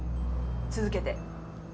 続けて。